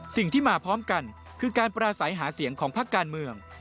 สิ่งที่มาพร้อมกันคือการปราศัยหาเสียงของพักการเมือง